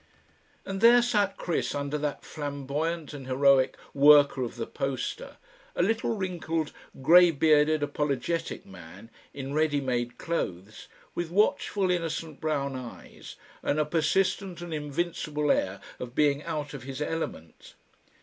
And there sat Chris under that flamboyant and heroic Worker of the poster, a little wrinkled grey bearded apologetic man in ready made clothes, with watchful innocent brown eyes and a persistent and invincible air of being out of his element.